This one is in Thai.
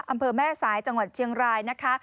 อำเภอแม่สายจังหวัดเชียงรายนะคะ